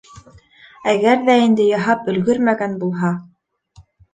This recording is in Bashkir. Әгәр ҙә инде яһап өлгәрмәгән булһа...